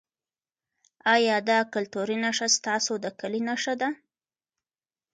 ایا دا کلتوري نښه ستاسو د کلي نښه ده؟